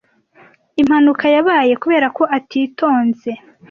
Impanuka yabaye kubera ko atitonze.